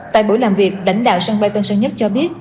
tại buổi làm việc lãnh đạo sân bay tân sơn nhất cho biết